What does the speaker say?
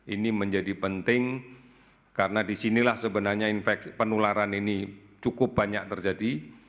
ini menjadi penting karena disinilah sebenarnya penularan ini cukup banyak terjadi